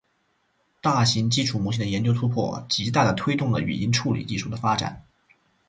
大型基础模型的研究突破，极大地推动了语音处理技术的发展。